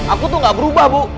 aku tuh gak berubah bu